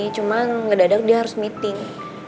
cuman ngedadak dia harus meeting